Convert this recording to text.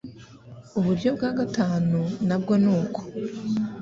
uburyo bwa gatanu nabwo nuko